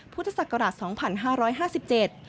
พุทธศักราช๒๕๕๗